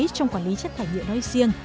trong quản lý chất thải nhựa nói riêng